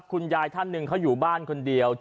คุณยายท่านหนึ่งเขาอยู่บ้านคนเดียว